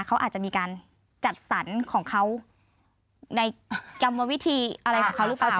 เขาอาจจะมีการจัดสรรของเขาในกรรมวิธีอะไรของเขาหรือเปล่า